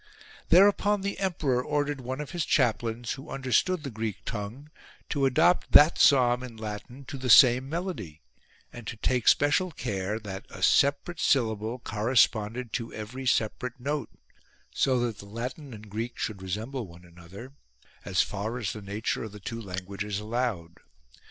Thereupon the emperor ordered one of his chaplains, who understood the Greek tongue, to adopt that psalm in Latin to the same melody, and to take special care that a separate syllable corresponded to every separate note, so that the Latin and Greek should resemble one another as far as the nature of the two languages allowed.